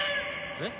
えっ？